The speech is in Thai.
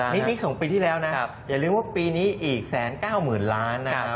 นี่ถึงปีที่แล้วอย่าลืมว่าปีนี้อีก๑๙๐๐๐๐ล้าน